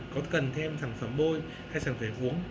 có cần thêm sản phẩm bôi hay sản phẩm để uống